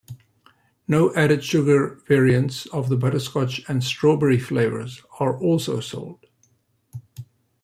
No-added-sugar variants of the butterscotch and strawberry flavours are also sold.